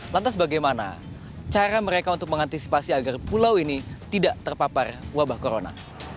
lantas bagaimana cara mereka untuk mengantisipasi agar pulau ini tidak terpapar wabah corona